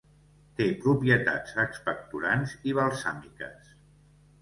Té propietats expectorants i balsàmiques.